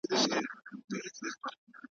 نه به یې په سیوري پسي ځغلي ماشومان د ښار ,